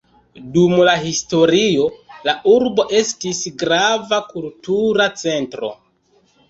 Dum la historio la urbo estis grava kultura centro.